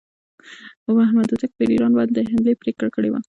محمود هوتک پر ایران باندې د حملې پرېکړه کړې وه.